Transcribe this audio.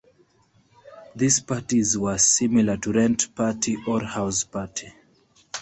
These parties were similar to rent party or house party.